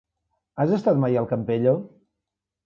Has estat mai al Campello?